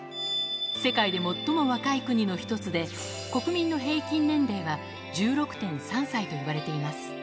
世界で最も若い国の一つで、国民の平均年齢は１６．３歳といわれています。